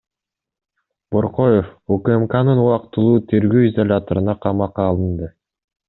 Боркоев УКМКнын убактылуу тергөө изоляторуна камакка алынды.